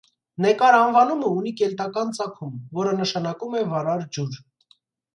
Նեկար անվանումը ունի կելտական ծագում, որը նշանակում է «վարար ջուր»։